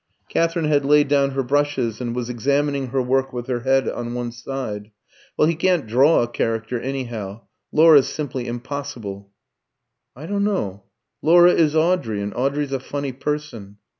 Katherine had laid down her brushes, and was examining her work with her head on one side. "Well, he can't draw a character, anyhow; Laura's simply impossible." "I don't know. Laura is Audrey, and Audrey's a funny person."